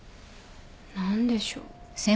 何でしょう？